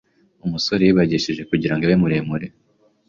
Umusore yibagishije kugirango abe muremure